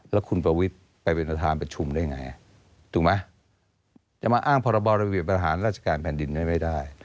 แล้วคุณประวิทย์ไปเป็นประธานประชุมได้ไงถูกไหมจะมาอ้างพรบรเบียประหารราชการแผ่นดินได้ไม่ได้